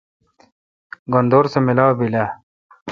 گھن دور سہ ملاوبیلہ؟